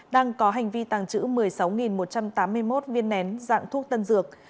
đang có hành vi tàng trữ một mươi sáu một trăm tám mươi một viên nén dạng thuốc tân dược